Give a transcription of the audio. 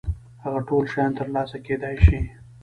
هغه ټول شيان تر لاسه کېدای شي.